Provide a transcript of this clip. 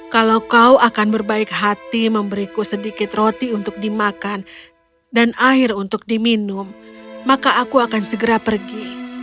kalau kau akan berbaik hati memberiku sedikit roti untuk dimakan dan air untuk diminum maka aku akan segera pergi